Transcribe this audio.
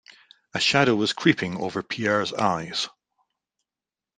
A shadow was creeping over Pierre's eyes.